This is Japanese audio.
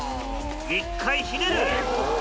１回ひねる！